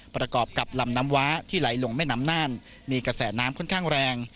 ประกอบกับลำน้ำว้าที่ไหลลงแม่น้ำน่านมีกระแสน้ำค่อนข้างแรง